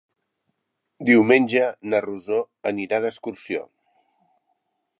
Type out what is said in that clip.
Diumenge na Rosó anirà d'excursió.